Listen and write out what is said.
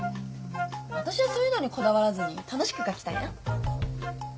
私はそういうのにこだわらずに楽しく書きたいな。